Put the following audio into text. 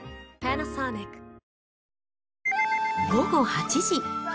午後８時。